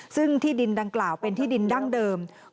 ซึ่งที่ดินดังกล่าวเป็นที่ดินดั้งเดิมของคุณเสร็จฐาน